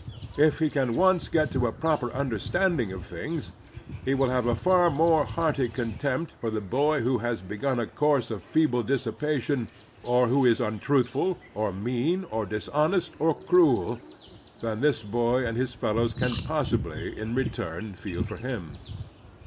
If he can once get to a proper imderstanding of things, he will have a far more hearty contempt for the boy who has begun a course of feeble dissipation, or who is untruthful, or mean, or dishonest, or cruel, than this boy and his fellows can possibly, in return, feel for him.